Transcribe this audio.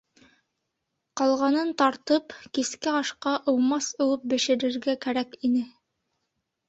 Ҡалғанын тартып, киске ашҡа ыумас ыуып бешерергә кәрәк ине.